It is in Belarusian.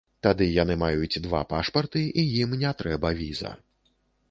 Тады яны маюць два пашпарты, і ім не трэба віза.